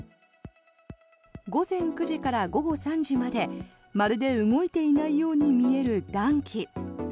午前９時から午後３時までまるで動いていないように見える暖気。